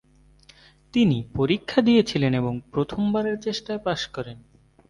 তিনি পরীক্ষা দিয়েছিলেন এবং প্রথম বারের চেষ্টায় পাস করেন।